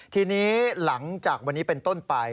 ทีนี้หลังจากวันนี้เป็นต้นไป